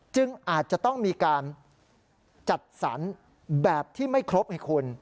อาจจะต้องมีการจัดสรรแบบที่ไม่ครบให้คุณ